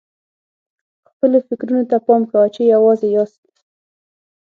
خپلو فکرونو ته پام کوه چې یوازې یاست.